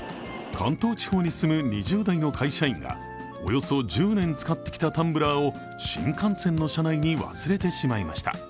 関東地方に住む２０代の会社員がおよそ１０年使ってきたタンブラーを新幹線の車内に忘れてしまいました。